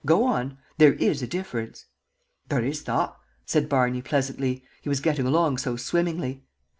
Go on. There is a difference." "There is thot," said Barney, pleasantly, he was getting along so swimmingly.